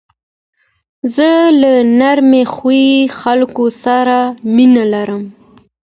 زه له نرم خوی خلکو سره مینه لرم.